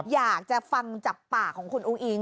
อยากจะฟังจากปากของคุณอุ้งอิง